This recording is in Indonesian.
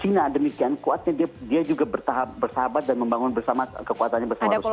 china demikian kuatnya dia juga bersahabat dan membangun bersama kekuatannya bersama rusia